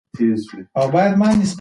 پښتو لهجه باید په خبرو کې و اورېدل سي.